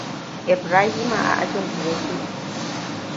Ibrahima a ajinku yake?